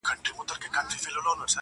زما به پر قبر واښه وچ وي زه به تللی یمه-